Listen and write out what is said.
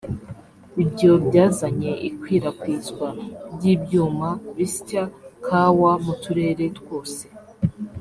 ibyo byazanye ikwirakwizwa ry’ibyuma bisya kawa mu turere twose